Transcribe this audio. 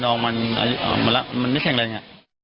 น้องมันไม่แข็งเร็ง